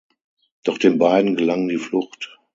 Doch den beiden gelang die Flucht.